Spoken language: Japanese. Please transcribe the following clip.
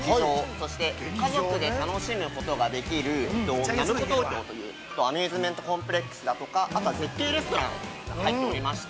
そして家族で楽しむことができるｎａｍｃｏＴＯＫＹＯというアミューズメントコンプレックスとか、あとは、絶景レストランが入っておりまして。